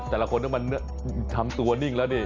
แต่ละคนมันทำตัวนิ่งแล้วนี่